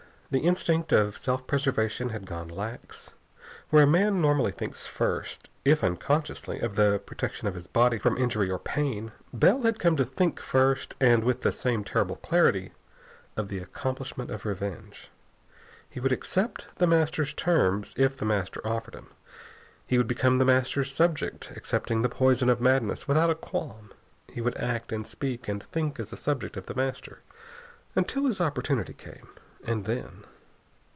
The instinct of self preservation had gone lax. Where a man normally thinks first, if unconsciously, of the protection of his body from injury or pain, Bell had come to think first, and with the same terrible clarity, of the accomplishment of revenge. He would accept The Master's terms, if The Master offered them. He would become The Master's subject, accepting the poison of madness without a qualm. He would act and speak and think as a subject of The Master, until his opportunity came. And then....